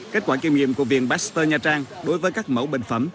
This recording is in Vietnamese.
kết quả kiểm nghiệm của viện pasteur nha trang đối với các mẫu bệnh phẩm